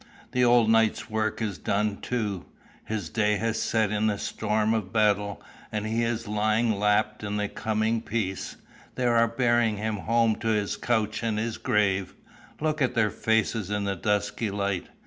The old knight's work is done too; his day has set in the storm of battle, and he is lying lapt in the coming peace. They are bearing him home to his couch and his grave. Look at their faces in the dusky light.